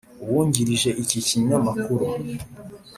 Uwungirije iki kinyamakuru.